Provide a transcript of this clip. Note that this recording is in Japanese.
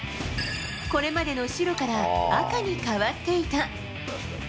これまでの白から赤に変わっていた。